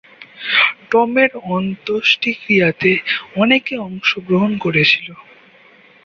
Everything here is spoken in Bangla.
টমের অন্ত্যেষ্টিক্রিয়াতে অনেকে অংশগ্রহণ করেছিল।